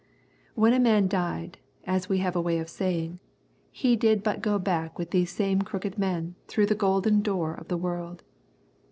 When a man died, as we have a way of saying, he did but go back with these same crooked men through the golden door of the world.